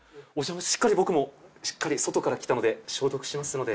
しっかり僕もしっかり外から来たので消毒しますので。